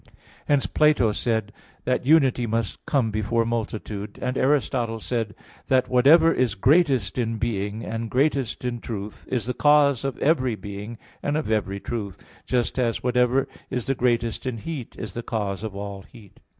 Hence Plato said (Parmen. xxvi) that unity must come before multitude; and Aristotle said (Metaph. ii, text 4) that whatever is greatest in being and greatest in truth, is the cause of every being and of every truth; just as whatever is the greatest in heat is the cause of all heat.